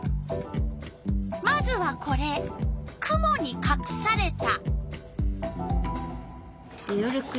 まずはこれ「くもにかくされた」。